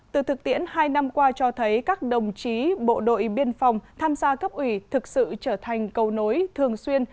từ thực tiễn hai năm qua cho thấy các đồng chí bộ đội biên phòng tham gia cấp ủy thực sự trở thành cầu nối thường xuyên